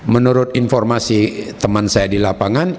menurut informasi teman saya di lapangan